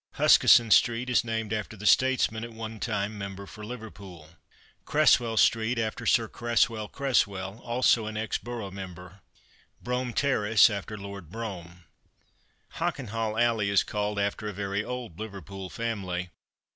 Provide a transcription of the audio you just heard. Huskisson street is named after the statesman at one time member for Liverpool. Cresswell street after Sir Cresswell Cresswell, also an ex borough member. Brougham terrace, after Lord Brougham. Hockenhall alley is called after a very old Liverpool family.